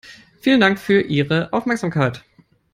Vielen Dank für Ihre Aufmerksamkeit!